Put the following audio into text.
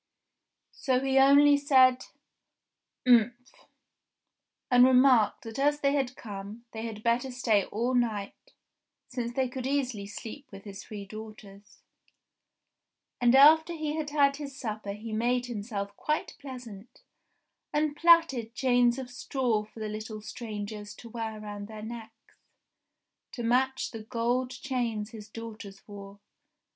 So he only said, "Umph!" and remarked that as they had come, they had better stay all night, since they could easily sleep with his three daughters. And after he had had his supper he made himself quite pleasant, and plaited chains of straw for the little strangers to wear round their necks, to match the gold chains his daughters wore.